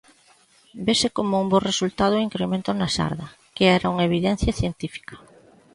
Vese como un bo resultado o incremento na xarda, que era unha evidencia científica.